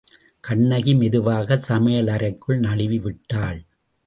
கண்ணகி மெதுவாகச் சமையல் அறைக்குள் நழுவிவிட்டாள்.